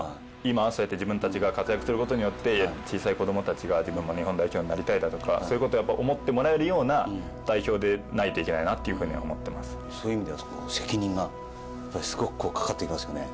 今、自分たちが活躍することによって小さい子供たちが自分も日本代表になりたいとかそういうことを思ってもらえるような代表でないといけないなとそういう意味では責任がすごくかかってきますかね。